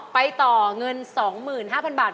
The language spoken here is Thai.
ไปต่อเงิน๒๕๐๐บาท